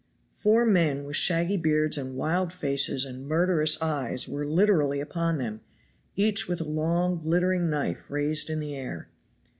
Four men with shaggy beards and wild faces and murderous eyes were literally upon them, each with a long glittering knife raised in the air.